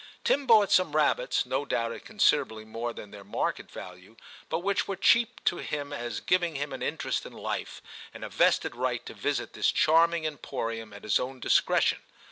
Tim bought some rabbits, no doubt at considerably more than their market value, but which were cheap to him as giving him an interest in life, and a vested right to visit this charming emporium at his own discretion.